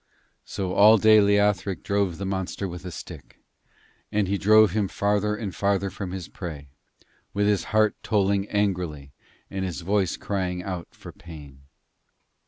So all day long Leothric drove the monster with a stick, and he drove him farther and farther from his prey, with his heart tolling angrily and his voice crying out for pain.